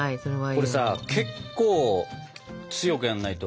これさ結構強くやんないと。